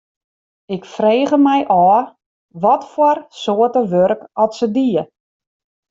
Ik frege my ôf watfoar soarte wurk oft se die.